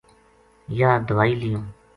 یاہ دوائی لیوں